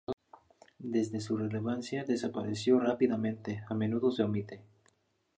Desde su relevancia desapareció rápidamente, a menudo se omite.